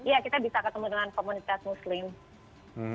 ya kita bisa ketemu dengan komunitas muslim